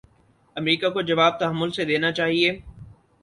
امریکہ کو جواب تحمل سے دینا چاہیے۔